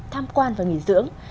tham quan và nghỉ dưỡng